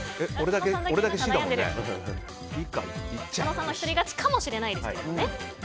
佐野さんの一人勝ちかもしれないですけどね。